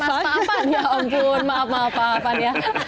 pak afan ya ampun maaf maaf pak afan ya